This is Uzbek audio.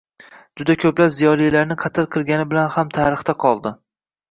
juda ko‘plab ziyolilarni qatl qilgani bilan ham tarixda qoldi.